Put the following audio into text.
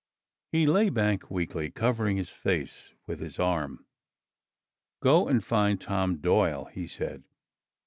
He lay back weakly, covering his face with his arm. "Go and find Tom Doyle," he said.